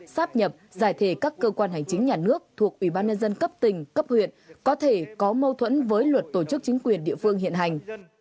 sắp nhập giải thể các cơ quan hành chính nhà nước thuộc ủy ban nhân dân cấp tỉnh cấp huyện có thể có mâu thuẫn với luật tổ chức chính quyền địa phương hiện hành